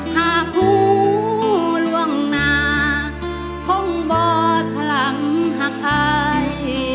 หากผู้ล่วงหน้าคงบอดคลำหักไข่